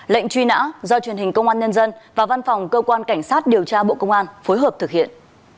lệnh truy nã do truyền hình công an nhân dân và văn phòng cơ quan cảnh sát điều tra bộ công an phối hợp thực hiện